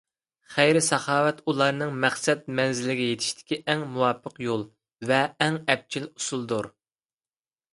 خەير - ساخاۋەت ئۇلارنىڭ مەقسەت مەنزىلىگە يېتىشتىكى ئەڭ مۇۋاپىق يول ۋە ئەڭ ئەپچىل ئۇسۇلدۇر.